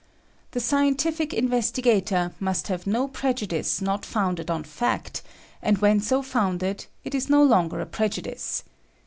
The scientific investigator must have no prejudice not founded on fact, and when so founded it is no longer a prejudice.